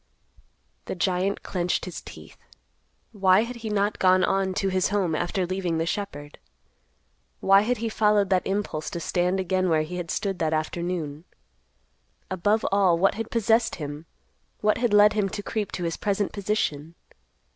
The giant clenched his teeth. Why had he not gone on to his home after leaving the shepherd? Why had he followed that impulse to stand again where he had stood that afternoon? Above all, what had possessed him—what had led him to creep to his present position?